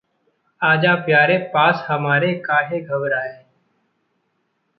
आजा प्यारे, पास हमारे, काहे घबराए...